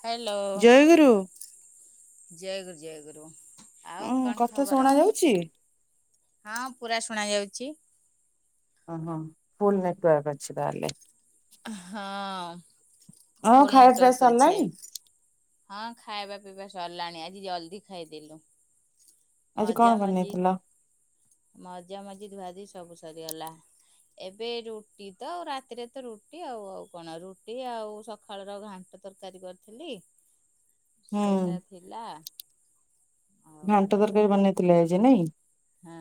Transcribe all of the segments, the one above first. Hello ଜୟଗୁରୁ ଜୟ ଗୁରୁ ଜୟ ଗୁରୁ। ଆଉ ଉଁ କଣ କଥା ଖବର ଶୁଣା ଯାଉଛି? ହଁ ପୁରା ଶୁଣା ଯାଉଚି। ଓ ହୋ ଫୁଲ୍ ନେଟୱାର୍କ ଅଛି ତାହେଲେ। ହଁ। ହଁ ଫୁଲ୍ ଖାଇବା ପିଇବା ନେଟୱାର୍କ ଅଛି ସରିଲାଣି ହଁ ଖାଇବା ପିଇବା ସରିଲାଣି ଆଜି ଜଲଦି ଖାଇଦେଲୁ। ଆଜି ମଜା କଣ ମଜି ବନେଇଥିଲ? ମଜା ମଜିଦ୍ ଭାଜିି ସବୁ ସରିଗଲା। ଏବେ ରୁଟି ତ ଆଉ ରାତିରେ ତ ରୁଟି ଆଉ ଆଉ କଣ ରୁଟି ଆଉ ସକାଳର ଘା ତରକାରୀ କରିଥିଲି। [inaudible] ସେଇଟା ଥିଲା। ଆଉ ଘାଣ୍ଟ ତରକାରୀ ବନେଇଥିଲେ ଆଜି ନାଇଁ। ହଁ।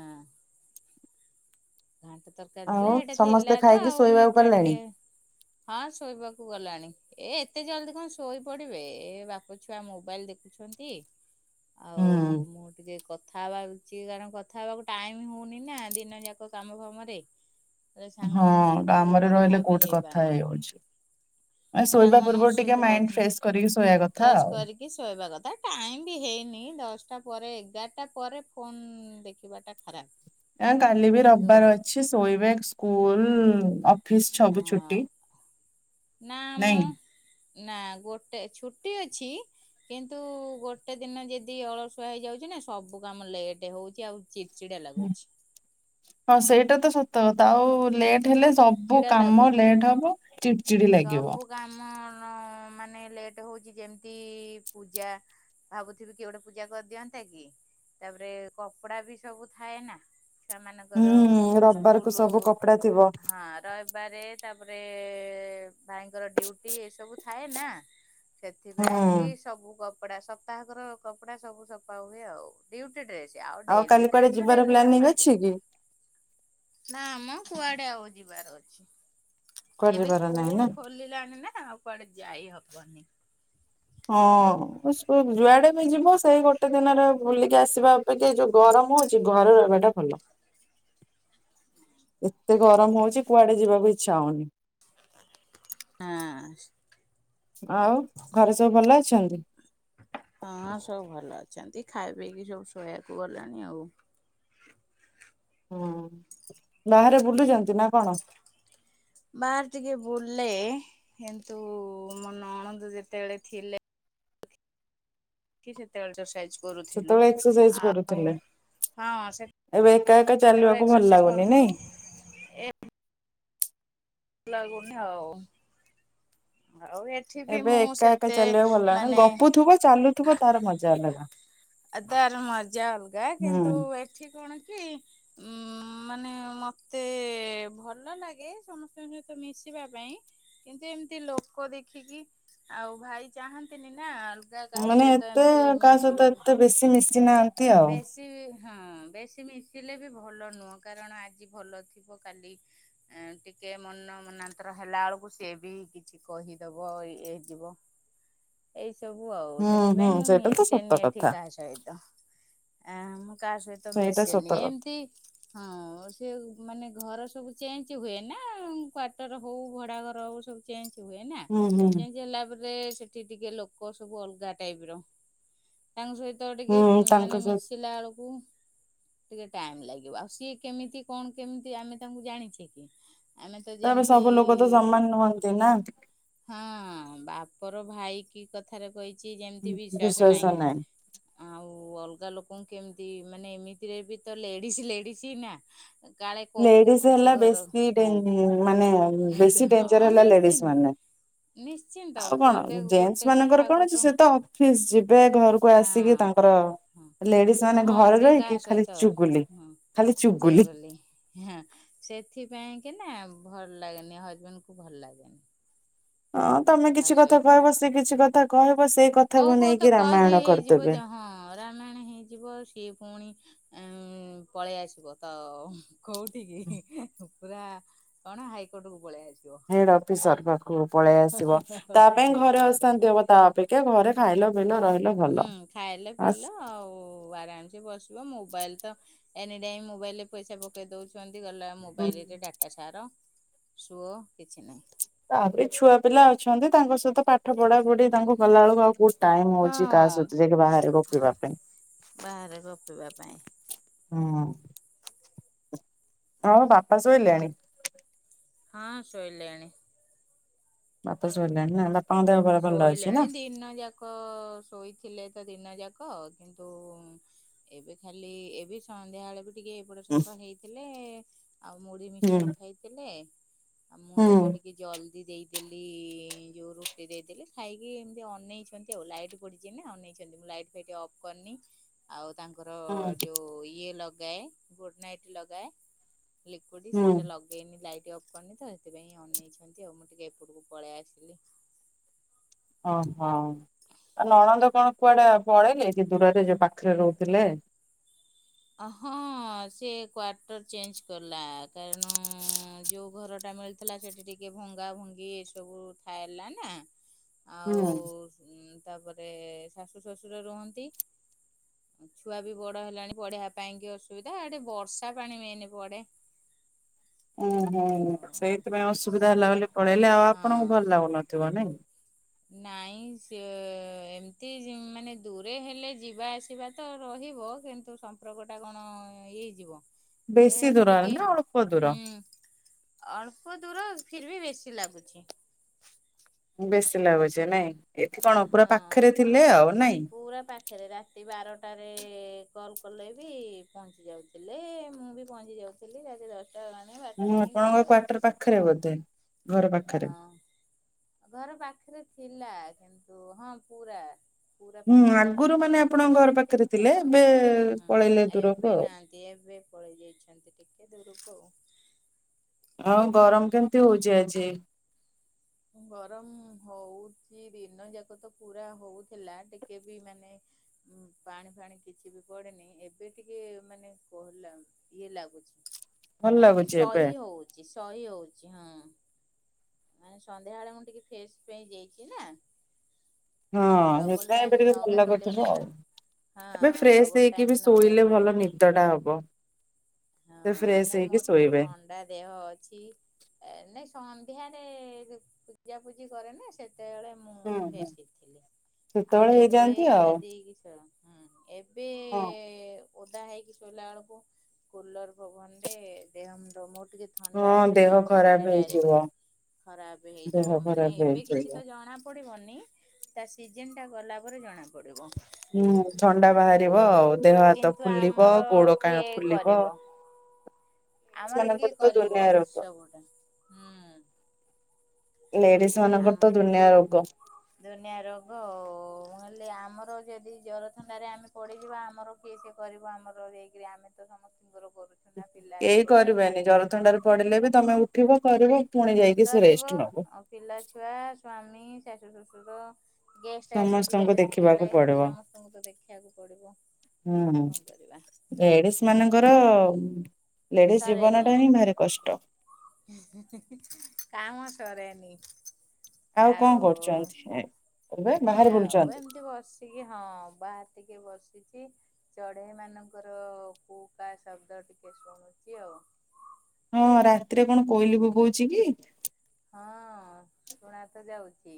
ତରକାରୀ ଆଉ ଥିଲା ସେଇଟା ସମସ୍ତେ ଥିଲା ତ ଖାଇକି ଆଉ ଶୋଇବାକୁ ମିଠା ଗଲେଣି? ଟିକେ ହଁ ଶୋଇବାକୁ ଗଲାଣି। ଏ ଏତେ ଜଲଦି କଣ ଶୋଇ ପଡିବେ ଏ ବାପ ଛୁଆ ମୋବାଇଲ ଦେଖୁଛନ୍ତି। ହୁଁ। ଆଉ ମୁଁ ଟିକେ କଥା ହବାର [unintelligible] କାରଣ କଥା ହବାକୁ ଟାଇମ୍ ହଉନି ନା ଦିନ ଯାକ କାମ ଫାମରେ। ହେଲେ ସାଙ୍ଗମାନଙ୍କ ହଁ ସହିତ ଟିକେ କାମରେ ରହିଲେ କୋଉଠି କଥା ହେଇ ହଉଛି। ସାଙ୍ଗ ମାନଙ୍କ ସହିତ କଥା କରିକି ଶୋଇବା କଥା ଫେସ୍ ଆଉ। କରିକି ଶୋଇବା କଥା ଟାଇମ ବି ହେଇ ହେଇନି ଦଶଟା ପରେ ଏଗାରଟା ପରେ ଫୋନ ଦେଖିବା ଟା ଖରାପ। ଆ କାଲି ବି କିନ୍ତୁ ରବିବାର ଅଛି ଶୋଇବେ ସ୍କୁଲ ଅଫିସ ହଁ ସବୁ ଛୁଟି। ନା ଆମ ନାଇଁ ନା ଗୋଟେ ଛୁଟି ଅଛି। କିନ୍ତୁ ଗୋଟେ ଦିନ ଯଦି ଅଳସୁଆ ହେଇଯାଉଛି ନା ସବୁ କାମ ଲେଟ ହଉଛି ଆଉ ଚିଡ଼ଚିଡା ଲାଗୁଛି ହଁ ସେଇଟା ତ ସତ କଥା ଆଉ ଲେଟ ହେଲେ ସବୁ ଚିଡ଼ଚିଡା କାମ ଲାଗୁଛି ଲେଟ୍ ହବ। ଚି ସବୁ କାମ [inaudible] ମାନେ ଲେଟ ହଉଛି ଯେମିତି ପୂଜା ଭାବୁଥିବି କି ଗୋଟେ ପୂଜା କରିଦିଅନ୍ତା କି? ତାପରେ କପଡା ବି ସବୁ ଥାଏ ନା। ସେ ମାନଙ୍କର ହୁଁ ରବିବାର କୁ ସ୍କୁଲ ସବୁ କପଡା ଥିବ ହଁ ରଇବାରେ ତାପରେ ଭାଇଙ୍କର ଡିଉଟି ଏ ସବୁ ଥାଏ ନା ହୁଁ ସେଥିପାଇଁ କି ସବୁ କପଡା ସପ୍ତାହକର କପଡା ସବୁ ସଫା ହୁଏ ଆଉ ଡି ଡ୍ରେସ ଆଉ ଡେଲି କାଲି କୁଆଡେ ଡ୍ରେସ ତ ଯିବାର ଡେଲି ପ୍ଲାନିଂ ସଫା ଅଛି କି? ହେଇଯାଏ। ନା ଆମ କୁଆଡେ ଆଉ ଯିବାର ଅଛି? କୁଆଡେ ଏବେ ଯିବାର ନାହିଁ ସ୍କୁଲ ନା? ଖୋଲିଲାଣି ନା ଆଉ କୁଆଡେ ଯାଇ ହବନି। ହଁ ଯୁଆଡେ ବି ଯିବ ସେଇ ଗୋଟେ ଦିନରେ ବୁଲିକି ଆସିବା ଅପେକ୍ଷା ଯୋଉ ଗରମ ଗରମ ହଉଛି ଘର ରହିବା ଟା ଭଲ। ଏତେ ଗରମ ହଉଛି କୁଆଡେ ଯିବାକୁ ଇଚ୍ଛା ହଉନି। ହଁ। ଆଉ ଘରେ ସବୁ ଭଲ ଅଛନ୍ତି? ହଁ ସବୁ ଭଲ ଅଛନ୍ତି ଖାଇ ପିଇକି ସବୁ ଶୋଇବାକୁ ଗଲାଣି ଆଉ। ହୁଁ ବାହାରେ ବୁଲୁଛନ୍ତି ନା କଣ? ବାହାର ଟିକେ ବୁଲେ କିନ୍ତୁ ମୋ ନଣନ୍ଦ ଯେତେବେଳେ ଥିଲେ। କି ସେତେବେଳେ [unintelligible] ସେତେବେଳେ ଏକ୍ସରସାଇଜ ଆଉ କରୁଥିଲେ। ହଁ ଏବେ ଏକା ଏକା ଚାଲିବାକୁ ଭଲ ଲାଗୁନି ନାଇଁ? ଏମ୍ ଲାଗୁନି ଆଉ। ଆଉ ଏଠି ବି ଏବେ ମୁଁ ଏକା ଏକା ସେତେ ଚାଲିବାକୁ ଭଲ ଲାଗେ ନା ମାନେ ଗପୁଥିବ ଚାଲୁଥିବ ତାର ମଜା ଅଲଗା। ଆ ତାର ମଜା ଅଲଗା କିନ୍ତୁ ହୁଁ। ଏଠି କଣ [inaudible] ଉ ମାନେ ମତେ ଭଲ ଲାଗେ ସମସ୍ତଙ୍କ ସହିତ ମିଶିବା ପାଇଁ କିନ୍ତୁ ଏମତି ଲୋକ ଦେଖିକି ଆଉ ଭାଇ ଚାହାନ୍ତିନି ନା ଅଲଗା କାହା ମାନେ ସହିତ ଏତେ ଏମିତି କାହା ମିଶିବା ସହିତ ପାଇଁ ଏତେ ବେଶୀ ମିଶିନାହାନ୍ତି ବେଶୀ ହଁ ବେଶୀ ମିଶିଲେ ବି ଭଲ ନୁହଁ କାରଣ ଆଜି ଭଲ ଥିବ କାଲି ଟିକେ ମନ ମନାନ୍ତର ହେଲା ବେଳକୁ ସିଏ ବି କିଛି କହିଦବ ଇଏ ହେଇ ଯିବ ଏଇ ସବୁ ଆଉ ହୁଁ ହୁଁ ସେଥିପାଇଁ ମୁଁ ସେଇଟା ତ ସତ ମିଶେନି ଏଠି କଥା କାହା ସହିତ ଆ କାହା ସହିତ ସେଇଟା ସତ ମିଶେନି କଥା। ଏମତି ହଁ ସେ ମାନେ ଘର ସବୁ ଚେଞ୍ଜ ହୁଏ ନା କ୍ଵାର୍ଟର ହଉ ଭଡା ଘର ହଉ ସବୁ ଚେଞ୍ଜ ହୁଏ ନା ହୁଁ ହୁଁ। ଚେଞ୍ଜ ହେଲା ପରେ ସେଠି ଟିକେ ଲୋକ ସବୁ ଅଲଗା ଟାଇପ ର ତାଙ୍କ ସହିତ ଟିକେ ହୁଁ ତାଙ୍କ ମାନେ ସହିତ ମିଶିଲା ବେଳକୁ ଟିକେ ଟାଇମ ଲାଗିବ ଆଉ ସିଏ କେମିତି କଣ କେମିତି ଆମେ ତାଙ୍କୁ ଜାଣିଛେ କି? ଆମେ ତ ତାପରେ ଯେମିତି ସବୁ ଲୋକ ତ ସମାନ ନୁହନ୍ତି ନା। ହଁ ବା ପର ଭାଇ କି କଥାରେ କହିଛି ଯେମିତି ବିଶ୍ଵାସ ନାହିଁ ଆଉ ଅଲଗା ଲୋକଙ୍କୁ କେମିତି ମାନେ ଏମିତିରେ ବି ତ ଲେଡିଜ ଲେଡିଜ ହି ନାଁ ଲେଡିଜ ହେଲା ବେଶୀ ଡେ ଇ ମାନେ ହେଡ୍ ବେଶୀ ଡେଂଜର ହଁ ହେଲା ଲେଡିଜି ନିଶ୍ଚିନ୍ତ ମାନେ। ନିଶ୍ଚିନ୍ତ ଆଉ କଣ ପଦେ ଜେନ୍ସ ଗୋଟେ ମାନଙ୍କର କଥାକୁ କଣ ଅଛି ସେ ତ ଅଫିସ ଯିବେ ଘରକୁ ହଁ ଆସିକି ତାଙ୍କର ହଁ ଲେଡିଜ ମାନେ ହଁ ଘରେ ସିଏ ରହିକି କାହା ଖାଲି ସହିତ ଚୁଗୁଲି ହଁ ଖାଲି ସିଏ ଚୁଗୁଲି ଗଲି ହଁ ସେଥିପାଇଁ କେନା ଭଲ ଲାଗେନି ହଜବେଣ୍ଡ କୁ ଭଲ ଲାଗେନି। ହଁ ତମେ କାହା କିଛି କଥା ସହିତ କହିବ ସେ କିଛି କଥା କହିବ ସେଇ କହୁ କଥାକୁ କହୁ ତ ନେଇକି କହି ରାମାୟଣ ହେଇଯିବ କରିଦେବେ ଯେ ହଁ ରାମାୟଣ ହେଇଯିବ ସିଏ ପୁଣି ଉ ପଳେଇ ଆସିବ ତ କୋଉଠକି ପୁରା କଣ ହାଇକୋର୍ଟ କୁ ପଳେଇଆଛି ହେଡ ଅଫିସର। ପଳେଇ ଆସିବ ତା ପାଇଁ ଅଫିସରୁ ଘରେ ପଳେଇ ଆସିବ ଅଶାନ୍ତି ହବ ତା ଅପେକ୍ଷା ଘରେ ଖାଇଲ ପିଲ ରହିଲ ଭଲ ଖାଇଲେ ବାସ। ପିଇଲ ଆଉ ଆରାମସେ ବସିବ ମୋବାଇଲ ତ ଏନି ଟାଇମ ମୋବାଇଲ ରେ ପଇସା ପକେଇ ଦଉଛନ୍ତି ଗଲା ମୋବାଇଲ ରେ ଡାଟା ସାର। ସୁଅ କିଛି ନାହିଁ ତାପରେ ଛୁଆ ପିଲା ଅଛନ୍ତି ତାଙ୍କ ସହିତ ପାଠ ପଢା ପଢି ତାଙ୍କୁ ଗଲା ବେଳକୁ ଆଉ କୋଉ ଟାଇମ ହଉଚି, କାହା ହଁ ସଇତ ଯାଇକି ବାହାରେ ଗପିବା ପାଇଁ ବାହାରେ ଗପିବା ପାଇଁ ହଁ ବାପା ସୋଇଲେଣି? ହଁ ଶୋଇଲେଣି। ବାପା ଶୋଇଲେଣି ନା? ବାପାଙ୍କ ଦେହ ଭଲ ଅଛି ନା? ଶୋଇଲେଣି ଦିନ ଯାକ ଶୋଇଥିଲେ ତ ଦିନ ଯାକ। ଅ କିନ୍ତୁ ଏବେ ଖାଲି ଏବେ ସନ୍ଧ୍ୟା ବଳେ ବି ଟିକେ ଏପଟ ହୁଁ ସେପଡ ହେଇଥିଲେ ଆଉ ମୁଢି ମିକ୍ସଚର ଖାଇଥିଲେ। ଆଉ ମୁଁ ହୁଁ ଏବେ ଟିକେ ଜଲଦି ଦେଇଦେଲି ଯୋଉ ରୁଟ ଟି ଦେଇଦେଲି ଖାଇକି ଏମତି ଅନେଇଛନ୍ତି ଆଉ ଲାଇଟ୍ ପଡିଛି ନା ଅନେଇଛନ୍ତି ମୁଁ ଲାଇଟ ଫାଇଟ୍ ଅଫ୍ କରିନି। ଆଉ ତାଙ୍କର ହୁଁ ଯୋଉ ଇଏ ଲଗାଏ ଗୁଡ ନାଇଟ୍ ଲଗାଏ ଲିକୁଇଟି ହୁଁ ସେଇଟା ଲଗେଇନି ଲାଇଟ କରିନି ତ ସେଥିପାଇଁ ଅନେଇଚନ୍ତି ଆଉ ମୁଁ ଟିକେ ଏପଟକୁ ପଳେଇ ଆସିଲି। ଓ ହୋ। ଆଉ ନଣନ୍ଦ କଣ କୁଆଡେ ପଳେଇଲେ କି ଦୂରରେ ଯୋଉ ପାଖରେ ରହୁଥିଲେ? ହଁ ସେ କ୍ଵାର୍ଟର ଚେଞ୍ଜ କଲା କାରଣ ଯୋଉ ଘରଟା ମିଳିଥିଲା ସେଠି ଟିକେ ଭଙ୍ଗା ଭଙ୍ଗି ଏ ସବୁ ଥାଏଲା ନା? ହୁଁ। ଆଉ ଉଁ, ତାପରେ ଶାଶୁ ଶ୍ୱଶୁର ରୁହନ୍ତି। ଛୁଆ ବି ବଡ ହେଲାଣି। ପଢିବା ପାଇଁ କି ଅସୁବିଧା, ଏଠି ବର୍ଷା ପାଣି ମେନ୍ ପଡେ। ହୁଁ ହୁଁ। ଆଉ ହେଲେ ଆଉ ଆପଣଙ୍କୁ ଭଲ ହଁ ଲାଗୁନଥିବ ନେଇଁ? ନାଇଁ ସେ ଏମତି ଜିଁ ମାନେ ଦୂରେ ହେଲେ ଯିବା ଆସିବା ତ ରହି ଯିବ କିନ୍ତୁ ସମ୍ପର୍କ ଟା କଣ ଇଏ ହେଇଯିବ? ବେଶୀ ସେଟା ଦୂର ଟିକେ ନା ଅଳ୍ପ ଦୂର? ହୁଁ ଅଳ୍ପ ଦୂର ଫିର୍ ଭି ବେଶୀ ଲାଗୁଚି। ବେଶୀ ଲାଗୁଚି ନାଇଁ? ଏଠି କଣ ପୁରା ହଁ। ପାଖରେ ଥିଲେ ଆଉ ନାଇଁ? ପୁରା ପାଖରେ। ରାତି ବାରଟାରେ କଲ୍ କଲେ ବି ପହଞ୍ଚି ଯାଉଥିଲେ। ମୁଁ ପହଞ୍ଚି ଯାଉଥିଲି। ରାତି ହେଲାଣି ବାରଟା ମୁଁ ନାହିଁ ଆପଣଙ୍କ କ୍ଵାର୍ଟର ପାଖରେ ବୋଧେ ଘର ପାଖରେ। ହଁ ଘର ପାଖରେ ଥିଲା। କିନ୍ତୁ ହଁ ପୁରା ପୁରା ହୁଁ ପାଖରେ ଆଗରୁ ଥିଲା। ମାନେ ଆପଣଙ୍କ ଘର ପାଖରେ ଥିଲେ। ଏବେ ହଁ ପଳେଇଲେ ଦୂରକୁ ଏବେ ଆଉ। ନାହାନ୍ତି ଏବେ ପଳେଇ ଯାଇଛନ୍ତି ଟିକ୍ ଦୂରକୁ ଆଉ। ଆଉ, ଗରମ କେମିତି ହଉଚି ଆଜି? ଗରମ ହଉଚି। ଦିନ ଯାକ ତ ପୁରା ହଉଥିଲା। ଟିକେ ବି ମାନେ ପାଣି ଫାଣି କିଛି ବି ପଡେନି। ଏବେ ଟିକେ ମାନେ କୋହଲା ଇଏ ଲାଗୁଛି। ଭଲ ଲାଗୁଛି ଏବେ? ସହି ହଉଚି, ସହି ହଉଚି ହଁ। ମାନେ ସନ୍ଧ୍ୟା ବେଳେ ମୁଁ ଟିକେ ଫେଶ୍ ପାଇଁ ଯାଇଛି ନା। ହଁ ଡବଲ ସେଥିପାଇଁ ଟାଇମ ଏବେ ଟିକେ ନ ଭଲ ଗାଧେଇଲେ ଲାଗୁଥିବ ଭଲ ଆଉ। ହଁ ଏବେ ଫ୍ରେଶ୍ ଡବଲ ହେଇକି ଟାଇମ ବି ନ ଶୋଇଲେ ଗାଧେଇଲେ ଭଲ ନିଦଟା ହବ। ହଁ। ସେ ଫ୍ରେଶ ନାଇଁ ହେଇକି ମୋର ଟିକେ ଶୋଇବେ। ଥଣ୍ଡା ଦେହ ଅଛି। ଏ ନାହିଁ ସମ୍ ସନ୍ଧ୍ୟାରେ ପୂଜାପୂଜି କରେନା, ସେ ହୁଁ ହୁଁ। ଫ୍ରେସ୍ ହେଇଥିଲି। ଆଉ ସେତେବେଳେ ଏବେ ହେଇଯାଆନ୍ତି ଧୁଆ ଆଉ। ଧୁଇ ହେଇ କିସ? ହଁ। ଏବେ ହଁ। ଓଦା ହେଇକି ଶୋଇଲା ବେଳକୁ, କୁଲର ପବନ ରେ ଦେହମୁଣ୍ଡ ମୋର ଟିକେ ଥଣ୍ଡା ହଁ ଅଛି ଦେହ ନା, ଖରାପ ସେଟା ହେଇଯିବ ଡାଇରେକ୍ଟ୍ ଖରାପ ହେଇଯିବ। ଦେହ ମାନେ ଖରାପ ଏବେ କିଛି ତ ହେଇଯିବ। ଜଣା ପଡିବନ ନି ତା ସିଜିନ୍ ଟା ଗଲା ପରେ ଜଣା ପଡିବ। ହୁଁ ଥଣ୍ଡା ବାହାରିବ ଆଉ। ଦେହ ହାତ ଫୁଲିବ, ଗୋଡ କା ଫୁଲିବ୍ ଫୁଲିବ। ଆମର କିଏ ମାନଙ୍କର ତ କରିବ? ଦୁନିଆ ରୋଗ ସବୁଟା ହୁଁ। ଲେଡିସ୍ ମାନଙ୍କର ଆମ ତ ଦୁନିଆ ରୋଗ। ହେଲେ ଆମର ଯଦି ଜର ଥଣ୍ଡାରେ ଆମେ ପଡିଯିବା ଆମର କିଏସେ କରିବ? ଆମର ଯାଇକିରି ଆମେ ତ ସମସ୍ତଙ୍କର ଉ ସିନା ପିଲା, କେହି ଛୁଆ, କରିବେନି ସ୍ଵାମୀ ଜର ଥଣ୍ଡାରେ ପଡିଲେ ବି ତମେ ଉଠିବ କରିବ ପୁଣି ଯାଇକି ସେ ରେଷ୍ଟ କରିବ ନବ। ଆଉ ପିଲା, ଛୁଆ, ସ୍ଵାମୀ, ଶାଶୂ, ଶ୍ଵଶୁର ଗେଷ୍ଟ ଆସି ଯିବେ ସମସ୍ତଙ୍କୁ ସେତିକି ଦେଖିବାକୁ ବେଳେ ସମସ୍ତଙ୍କୁ ତ ଦେଖିବାକୁ ପଡିବ। ହୁଁ ଆଉ ହୁଁ କଣ କରିବା ଲେଡିସ୍ ମାନଙ୍କର ଅ ସରେନି। ହୁଁ ହୁଁ ହୁଁ ହୁଁ କାଉଁ ଆସୁ ସରେନି। ଆଉ କଣ କରୁଚନ୍ତି? ଏଁ ଏୟା ଆଉ। ଏମତି ବସିକି ହଁ ବାହାରେ ଟିକେ ବସ୍ ସିକି ଚଢେଇ ମାନଙ୍କର କୁ କା ଶବ୍ଦ ଟିକେ ଶୁଣୁଛି ଆଉ। ହଁ ରାତିରେ କଣ କୋଇଲି ବୋବୋଉଚି କି? ହଁ ଶୁଣା ତ ଯାଉଚି।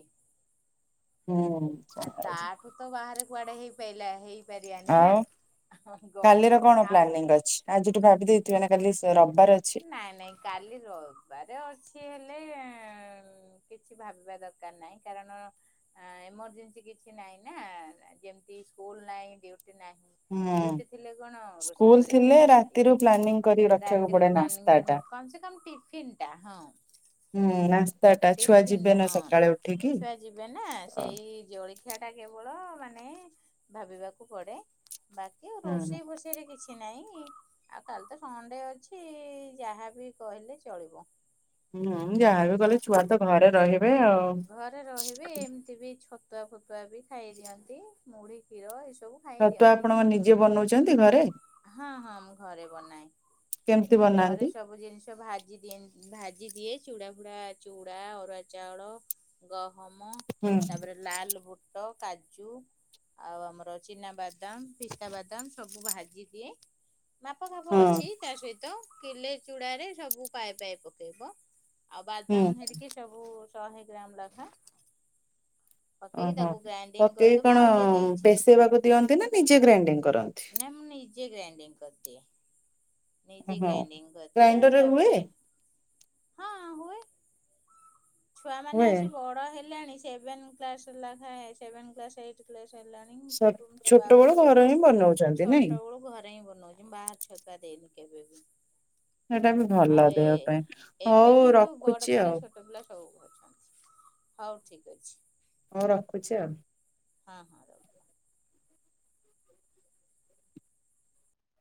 ହୁଁ ଆଉ ଶୁଣାଯାଉଛି ତାଠୁ ତ ବାହାରେ କୁଆଡେ ହେଇପାଇଲା ହେଇ ଆଉ କାଲିର ପାଇଁ କଣ ଆଉ ପ୍ଲାନିଂ ଅଛି? ଆଜିଠୁ ଭାବି ଦେଇଥିବେ ନା କାଲି ସ ରବ୍ ନାଇଁ ନାଇଁ କାଲି ରବବାରେ ଅଛି [inaudible] ଆଉ କିଛି ଭାବିବା ଦରକାର ନାହିଁ କାରଣ ଏମରଜେନ୍ସି କିଛି ନାଇଁ ନା। ଯେମତି ସ୍କୁଲ ନାଇଁ ହୁଁ ରୋଷେଇ ସ୍କୁଲ ଥିଲେ ରାତିରୁ ପ୍ଲାନିଂ କରି ରଖିବାକୁ ରେ ଯୋଉ ପଡେ ପ୍ଲାନିଂ ନାସ୍ତା ଟା ହୁଏ। କମ୍ ସେ କମ୍ ଟିଫନ୍ ଟା ହଁ। ହୁଁ ନାସ୍ତା ଟା ଛୁଆ ଟିଫିନ ଯିବେ ଟା ନା ହଁ। ସକାଳେ ଉଠିକି ଛୁଆ ଯିବେ ନା? ସେଇ ଜଳଖିଆ ଟା କେବଳ କେବଳ ମାନେ ଭାବିବାକୁ ପଡେ। ବାକି ହୁଁ ରୋଷେଇ ଫୋଷେଇରେ କିଛି କିଛି ନାଇଁ, ଆଉ କାଲି ତ ସଣ୍ଡେ ଅଛି ଯାହାବି କହିଲେ ଚଳିବ। ହୁଁ ଯାହାବି କଲେ ଛୁଆ ତ ଘରେ ରହିବ ଘରେ ରହିବେ, ଏମତି ବି ଛତୁଆ ଫତୁଆ ବି ଖାଇ ଦିଅନ୍ତି, ମୁଢି, କ୍ଷୀର ଏଇସବୁ ଛତୁଆ ଆପଣ କଣ ନିଜେ ବନଉଚନ୍ତି ଘ ହଁ ହଁ ମୁଁ ଘରେ ବନାଏ। କେମିତି ଘରେ ବନାନ୍ତି ସବୁ ଜିନିଷ ଭାଜି ଦିଏନ୍ ଭାଜି ଭାଜି ଦିଏ। ଚୁଡ଼ା ଫୁଡ଼ା ଚୁଡ଼ା, ଅରୁଆ ଚାଉଳ, ଗହ ମ, ହୁଁ ତାପରେ ଲାଲ ବୁଟ ଟ, କାଜୁ ଆଉ ଆମର ଚିନାବାଦାମ, ପିସ୍ତା ବାଦାମ, ସବୁ ମୁଁ ଭାଜିଦିଏ ମାପ ଫାପ ହଁ ଅଛି, ତା ସହିତ କିଲେ ଚୁଡାରେ ସବୁ ପାଇପ ପକେଇବ ଆଉ ହୁଁ ବାଦାମ ହେରିକି ସବୁ ଶହେ ଗ୍ରାମ ଲଖା ଓହୋ, ପକେଇ କଣ ଆଉ ଯଦି ପସେଇବାକୁ ଦିଅନ୍ତି ନା ନିଜେ ଗ୍ରାଇଣ୍ଡିଙ୍ଗ କରନ୍ତି। ନା ମୁଁ ନିଜେ ଗ୍ରାଇଡିଂ କରିଦିଏ। ନିଜ ଓହୋ। ଗ୍ରାଇଡିଙ୍ଗ କରିଦିଏ, ଗ୍ରାଇଣ୍ଡର ରେ ହୁଏ? ତାପରେ [unintelligible] ଛୁଆ ମାନେ ହୁଏ। ଆସି ବଡ ହେଲାଣି ସେଭେନ କ୍ସାଏ ସେଭ କ୍ ଏ୍ ସାରିଲାଣି, [unintelligible] ସ କିନ୍ତୁ ମୁ ଛୁଆ ଛୋଟ ବେଳୁ ବେଳ ଘରେ କରୁଛି ହିଁ ବନଉଛନ୍ତି ଛୋଟ ନାଇଁ? ବେଳୁ ଘରେ ହିଁ ବନଉଛି, ବାହାରେ ଛତୁଆ ଦେଇନି କେବେ ସେଇଟା ବି ଭଲ ଆଉ ଏ ଦେହ ପାଇଁ, ହଉ ରଖୁଛି ଆଉ। ହ ହଉ ଠିକ ଅଛି। ହଁ ରଖୁଛି ଆଉ ହଁ ହଁ ରହୁ।